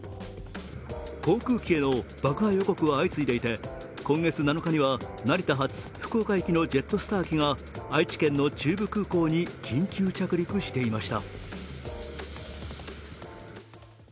航空機への爆破予告は相次いでいて今月７日には成田発福岡行きのジェットスター機が愛知県の中部空港に緊急着陸していました。